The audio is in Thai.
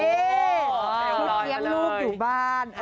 ชุดเลี้ยงลูกอยู่บ้าน